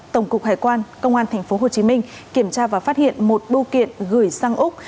tổng cục hải quan công an tp hcm kiểm tra và phát hiện một bưu kiện gửi sang úc